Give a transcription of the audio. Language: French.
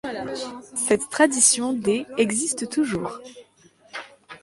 Cette tradition des existe toujours.